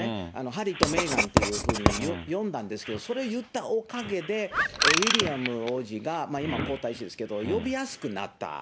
ハリーとメーガンというふうに呼んだんですけど、それ言ったおかげで、ウィリアム王子が、今はですけれども、よびやすくなった。